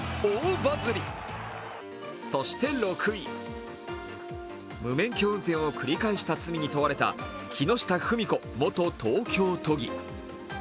そして６位、無免許運転を繰り返した罪に問われた木下富美子元東京都義。